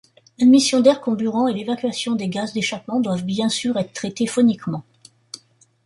L'admission d'air comburant et l'évacuation des gaz d'échappement doivent bien sûr être traitées phoniquement.